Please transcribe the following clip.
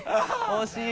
惜しい。